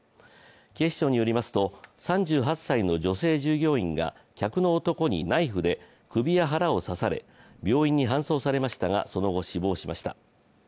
警視庁によりますと３８歳の女性従業員が客の男にナイフで首や腹を刺され病院に搬送されましたが、その後、死亡しました。